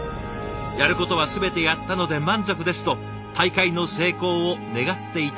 「やることは全てやったので満足です」と大会の成功を願っていた谷岡さん。